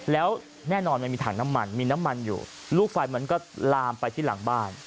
แล้วแน่นอนมันมีถังน้ำมันมีน้ำมันอยู่ลูกไฟมันก็ลามไปที่หลังบ้าน